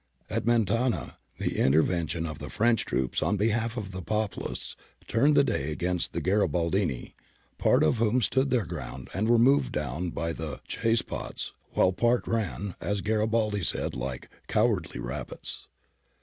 At Mentana the intervention of the French troops on behalf of the Papalists turned the day against the Garibaldini, part of whom stood their ground and were mowed down by the chassepofs, while part ran, as Garibaldi said, like ' cowardly rabbits.'